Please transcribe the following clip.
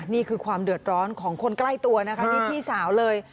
นี่คือความเดือดร้อนของคนใกล้ตัวนะคะนี่พี่สาวเลย